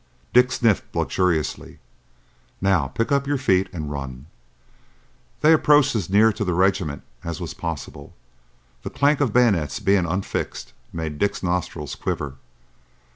Dick sniffed luxuriously. "Now pick up your feet and run." They approached as near to the regiment as was possible. The clank of bayonets being unfixed made Dick's nostrils quiver.